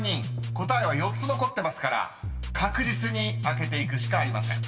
答えは４つ残ってますから確実に開けていくしかありません］